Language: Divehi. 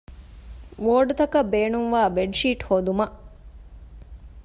ވޯޑްތަކަށް ބޭނުންވާ ބެޑްޝީޓް ހޯދުމަށް